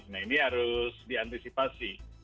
nah ini harus diantisipasi